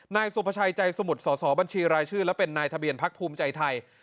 นายสุภาชัยใจสมุทรสอสอบัญชีรายชื่อและเป็นนายทะเบียนพักภูมิใจไทย